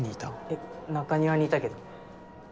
えっ中庭にいたけど。